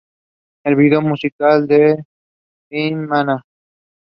She edited and published "Inner Mongolia Long Song Symposium Collection".